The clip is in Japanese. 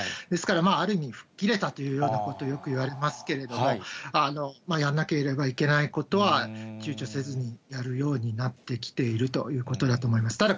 ですからある意味、吹っ切れたというようなことをよく言われますけれども、やんなければいけないことはちゅうちょせずにやるようになってきているということだと思います。